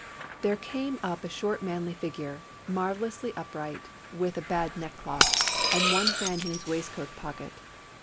'There came up a short manly figure, marvellously upright, with a bad neckcloth, and one hand in his waistcoat pocket.